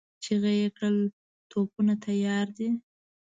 چيغه يې کړه! توپونه تيار دي؟